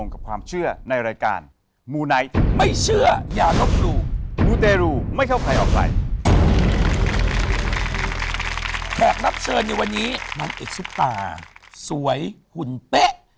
แขกรับเชิญในวันนี้นางเอกซุปตาสวยหุ่นเป๊ะ